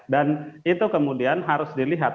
dan itu kemudian harus dilihat